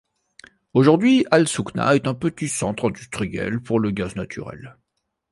Aujourd'hui, Al-Soukhna est un petit centre industriel pour le gaz naturel.